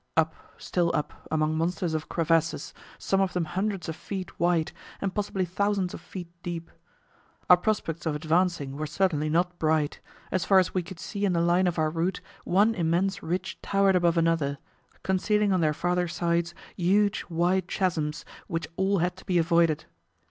Up still up, among monsters of crevasses, some of them hundreds of feet wide and possibly thousands of feet deep. Our prospects of advancing were certainly not bright; as far as we could see in the line of our route one immense ridge towered above another, concealing on their farther sides huge, wide chasms, which all had to be avoided.